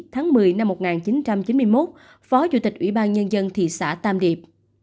tháng một mươi năm một nghìn chín trăm chín mươi một phó chủ tịch ủy ban nhân dân thị xã tam điệp